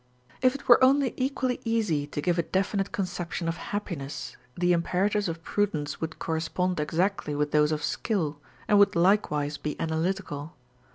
If it were only equally easy to give a definite conception of happiness, the imperatives of prudence would correspond exactly with those of skill, and would likewise be analytical.